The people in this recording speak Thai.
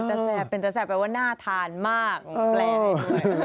เป็นแต่แซ่บเป็นแต่แซ่บแปลว่าน่าทานมากแปลให้ด้วย